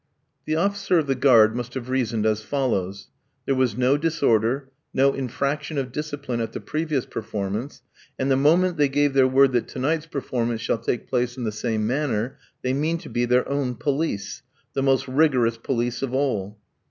The officer of the guard must have reasoned as follows: There was no disorder, no infraction of discipline at the previous performance, and the moment they give their word that to night's performance shall take place in the same manner, they mean to be their own police the most rigorous police of all.